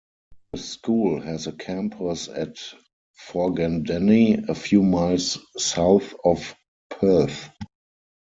The school has a campus at Forgandenny, a few miles south of Perth.